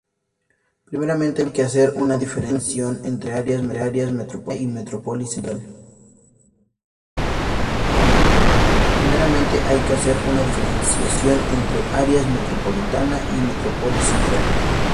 Primeramente hay que hacer una diferenciación entre área metropolitana y metrópolis central.